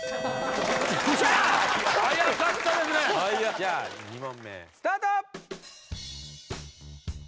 じゃあ２問目スタート！